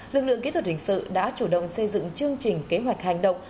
lực lượng kỹ thuật hình sự đã chủ động xây dựng chương trình kế hoạch hành động